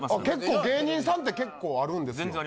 結構芸人さんって結構あるんですよ。